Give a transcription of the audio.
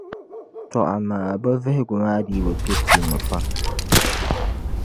Tͻ amaa bɛ vihigu maa dii bi kpe puuni pam.